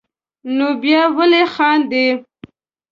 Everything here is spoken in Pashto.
نو بیا ولې خاندې.